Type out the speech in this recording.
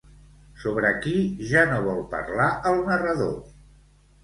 Sobre qui ja no vol parlar el narrador?